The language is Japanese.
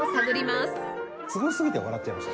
すごすぎて笑っちゃいました。